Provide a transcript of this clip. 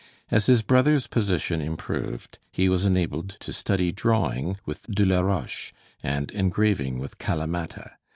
As his brother's position improved, he was enabled to study drawing with Delaroche and engraving with Calamatta.